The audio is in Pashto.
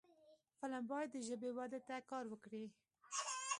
فلم باید د ژبې وده ته کار وکړي